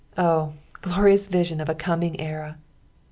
Oh, glorious vision of a coining era